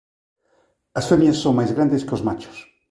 As femias son máis grandes que os machos.